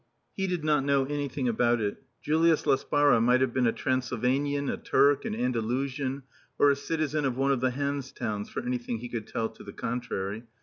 He did not know anything about it. Julius Laspara might have been a Transylvanian, a Turk, an Andalusian, or a citizen of one of the Hanse towns for anything he could tell to the contrary.